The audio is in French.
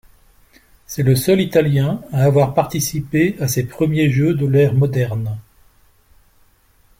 C'est le seul Italien à avoir participé à ces premiers Jeux de l'ère moderne.